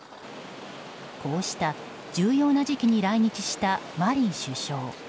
こうした重要な時期に来日したマリン首相。